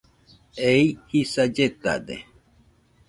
Ei jisa lletade.